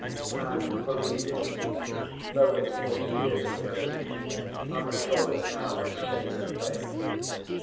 And, believe me, though it's forty years ago, I recall it now with shame and pain.